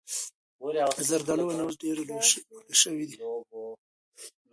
د زردالو ونې اوس ډېرې لوړې شوي دي.